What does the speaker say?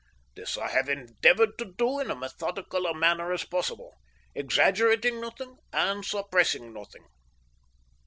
This I have endeavoured to do in as methodical a manner as possible, exaggerating nothing and suppressing nothing.